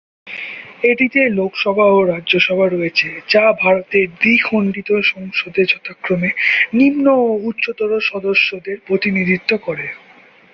এটিতে লোকসভা ও রাজ্যসভা রয়েছে, যা ভারতের দ্বিখণ্ডিত সংসদে যথাক্রমে নিম্ন ও উচ্চতর সদস্যদের প্রতিনিধিত্ব করে।